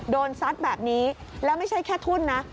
ซัดแบบนี้แล้วไม่ใช่แค่ทุ่นนะ